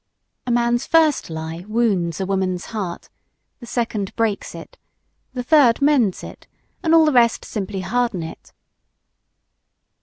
A man's first lie wounds a woman's heart, the second breaks it, the third mends it, and all the rest simply harden it.